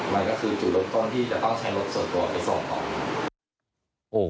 ก็คือถึงต้องที่จะต้องใช้รถส่งก่อนไปส่งก่อน